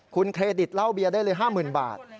คุณเครดิตเหล้าเบียร์ได้เลย๕๐๐๐บาท